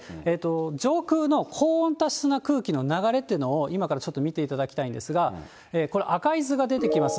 上空の高温多湿な空気の流れというのを、今からちょっと見ていただきたいんですが、これ、赤い図が出てきます。